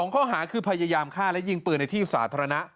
ข้อหาคือพยายามฆ่าและยิงปืนในที่สาธารณะ